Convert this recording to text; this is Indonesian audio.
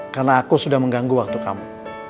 karena aku sudah mengganggu waktu kamu